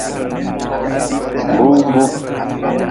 Ruugu.